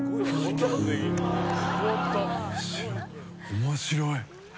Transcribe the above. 面白い。